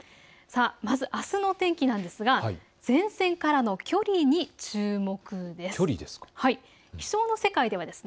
まず、あすの天気ですが前線からの距離に注目です。